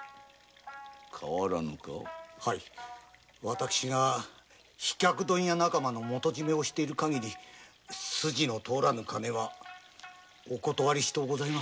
私が飛脚問屋仲間の元締めである限り筋の通らぬ金はお断りしとうございます。